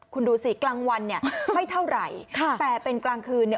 คุณดูสิกลางวันไม่เท่าไหร่แต่เป็นกลางคืน